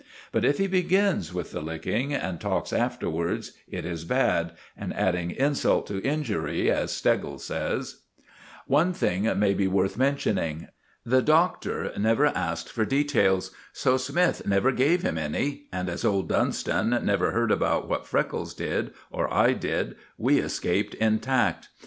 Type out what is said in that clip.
But if he begins with the licking and talks afterwards, it is bad, and adding insult to injury, as Steggles says. One thing may be worth mentioning. The Doctor never asked for details, so Smythe never gave him any; and, as old Dunstan never heard about what Freckles did, or I did, we escaped intact.